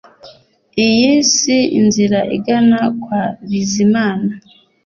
Iyi si inzira igana kwa Bizimana